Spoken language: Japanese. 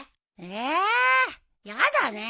えーやだね。